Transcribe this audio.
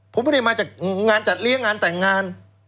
ผมไม่ได้มาจากงานจัดเลี้ยงงานแต่งงาน